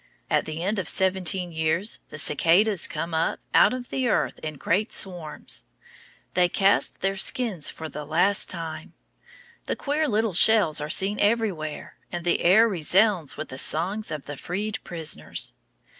At the end of seventeen years the cicadas come up out of the earth in great swarms. They cast their skins for the last time. The queer little shells are seen everywhere, and the air resounds with the songs of the freed prisoners.